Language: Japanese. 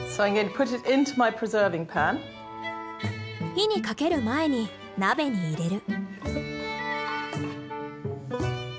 火にかける前に鍋に入れる。